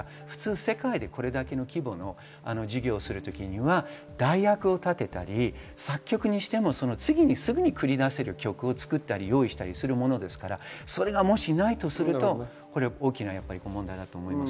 世界でこれだけの規模の事業する時には、代役を立てたり、作曲にしても、次にすぐに繰り出せる曲を作ったり用意したりするものです。もしないとすると大きな問題だと思います。